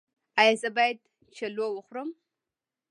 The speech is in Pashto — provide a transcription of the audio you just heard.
ایا زه باید چلو وخورم؟